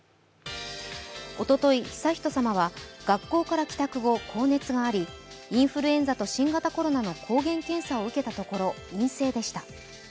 おととい、悠仁さまは学校から帰宅後高熱があり、インフルエンザと新型コロナの抗原検査を受けたところ、陰性でした。